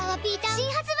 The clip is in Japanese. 新発売